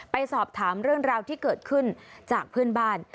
ไปสอบถามเรื่องราวที่เกิดขึ้นจากเพื่อนบ้าน